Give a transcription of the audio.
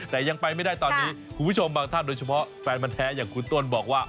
แต่ยังไปไม่ได้ตอนนี้คุณผู้ชมบางท่านโดยเฉพาะแฟนมันแท้อย่างคุณต้นบอกว่า